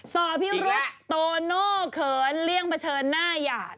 สอบพิรุษโตโน่เขินเลี่ยงเผชิญหน้าหยาด